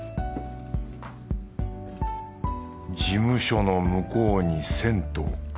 事務所の向こうに銭湯。